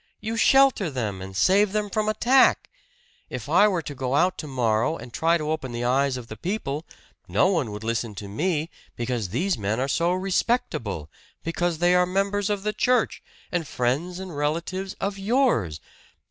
You shelter them, and save them from attack! If I were to go out to morrow and try to open the eyes of the people, no one would listen to me, because these men are so respectable because they are members of the church, and friends and relatives of yours!"